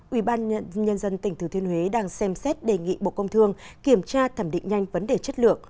ubnd tỉnh thứ thiên huế đang xem xét đề nghị bộ công thương kiểm tra thẩm định nhanh vấn đề chất lượng